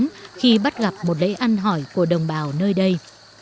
tôi đã rất may mắn khi bắt gặp một lễ ăn hỏi của đồng bào nơi đây